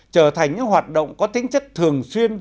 trở thành những hoạt động có tính chất thường xuyên